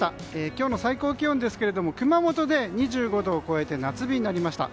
今日の最高気温ですけども熊本で２５度を超えて夏日になりました。